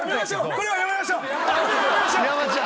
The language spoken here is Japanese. これはやめましょう。